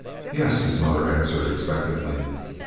"Yes," his mother answered expectantly.